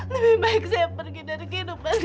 lebih baik saya pergi dari kehidupan